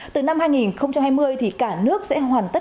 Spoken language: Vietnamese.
từ năm hai nghìn hai mươi thì cả nước sẽ hoàn tất